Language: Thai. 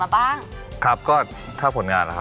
ครับแล้วเผ็ดยังไงแฮช